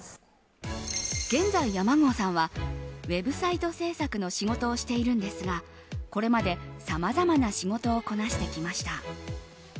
現在、山郷さんはウェブサイト制作の仕事をしているんですがこれまで、さまざまな仕事をこなしてきました。